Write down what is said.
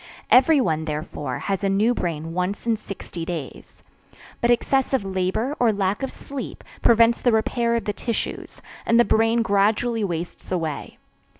Everyone, therefore, has a new brain once in sixty days. But excessive labor, or lack of sleep, prevents the repair of the tissues, and the brain gradually wastes away.